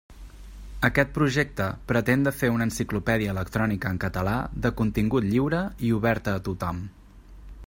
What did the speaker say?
Aquest projecte pretén de fer una enciclopèdia electrònica en català de contingut lliure i oberta a tothom.